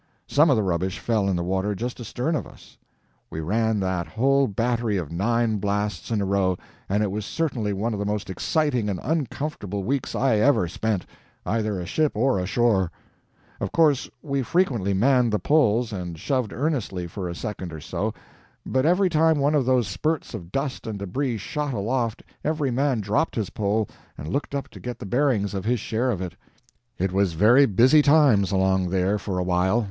Some of the rubbish fell in the water just astern of us. We ran that whole battery of nine blasts in a row, and it was certainly one of the most exciting and uncomfortable weeks I ever spent, either aship or ashore. Of course we frequently manned the poles and shoved earnestly for a second or so, but every time one of those spurts of dust and debris shot aloft every man dropped his pole and looked up to get the bearings of his share of it. It was very busy times along there for a while.